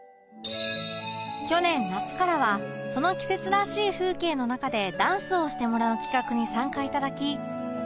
去年夏からはその季節らしい風景の中でダンスをしてもらう企画に参加いただき